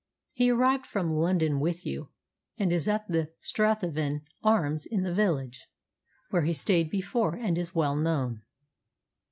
He arrived from London with you, and is at the 'Strathavon Arms' in the village, where he stayed before, and is well known."